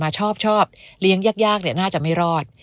ชอบชอบเลี้ยงยากน่าจะไม่รอด